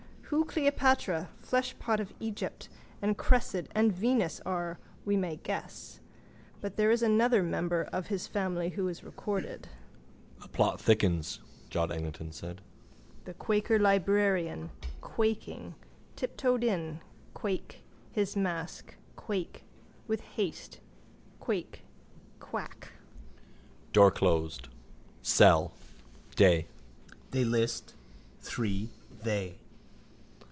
Who Cleopatra, fleshpot of Egypt, and Cressid and Venus are we may guess. But there is another member of his family who is recorded. —The plot thickens, John Eglinton said. The quaker librarian, quaking, tiptoed in, quake, his mask, quake, with haste, quake, quack. Door closed. Cell. Day. They list. Three. They.